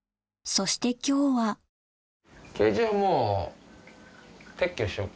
そして今日はほぼ。